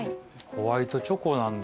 ホワイトチョコなんだ。